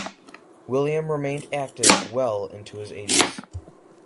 William remained active well into his eighties.